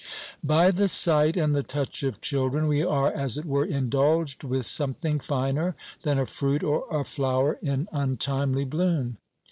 By the sight and the touch of children, we are, as it were, indulged with something finer than a fruit or a flower in untimely bloom.